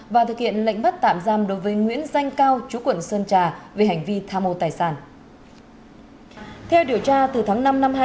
và thực hiện lệnh bắt tạm giam đối với nguyễn danh cao chú quận sơn trà về hành vi tham mô tài sản